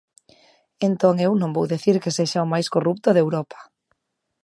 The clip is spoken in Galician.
Entón eu non vou dicir que sexa o máis corrupto de Europa.